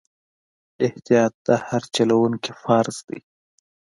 احتیاط د هر چلوونکي فرض دی.